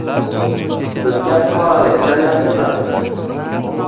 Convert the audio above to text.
bizga fuqarolik jamiyati zarur